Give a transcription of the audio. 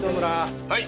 はい。